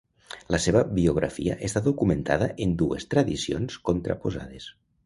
La seva biografia està documentada en dues tradicions contraposades.